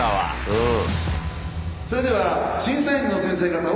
うん。